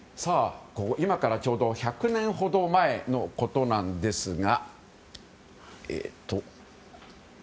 今からちょうど１００年ほど前のことです。